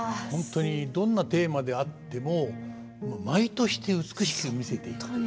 本当にどんなテーマであっても舞として美しく見せている。